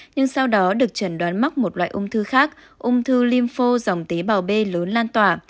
nhưng sau đó được chẩn đoán mắc một loại ung thư khác ung thư lim phô dòng tế bào b lớn lan tỏa